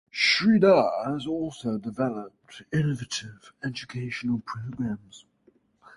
Sridhar has also developed innovative educational programs.